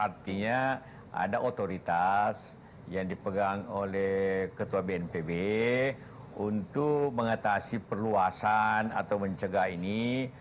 artinya ada otoritas yang dipegang oleh ketua bnpb untuk mengatasi perluasan atau mencegah ini